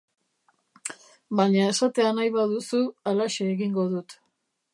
Baina esatea nahi baduzu, halaxe egingo dut.